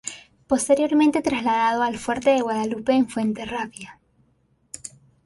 Posteriormente trasladado al fuerte de Guadalupe en Fuenterrabía.